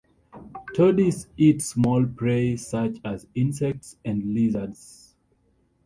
Todies eat small prey such as insects and lizards.